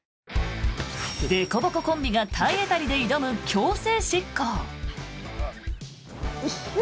でこぼこコンビが体当たりで挑む強制執行。